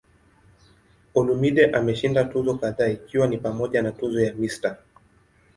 Olumide ameshinda tuzo kadhaa ikiwa ni pamoja na tuzo ya "Mr.